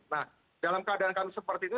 nah dalam keadaan kami seperti itu